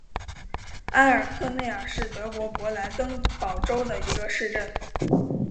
埃尔克内尔是德国勃兰登堡州的一个市镇。